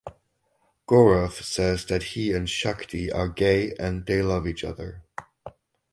Gaurav says that he and Shakti are gay and they love each other.